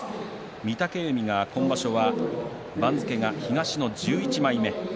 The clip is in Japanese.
御嶽海が今場所は番付が東の１１枚目。